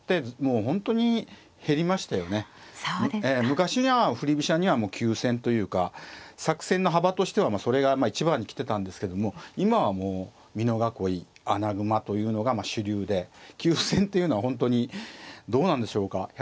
昔なら振り飛車には急戦というか作戦の幅としてはそれが一番に来てたんですけども今はもう美濃囲い穴熊というのが主流で急戦というのは本当にどうなんでしょうか。